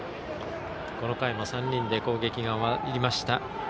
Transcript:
この回も３人で攻撃が終わりました。